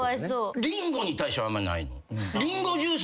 リンゴに対してはあんまないの？